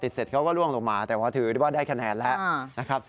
เสร็จเขาก็ล่วงลงมาแต่ว่าถือว่าได้คะแนนแล้วนะครับ